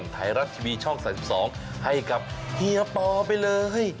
ไทยรัฐทีวีช่อง๓๒ให้กับเฮียปอไปเลย